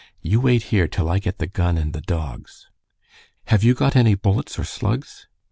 You wait here till I get the gun and the dogs." "Have you got any bullets or slugs?"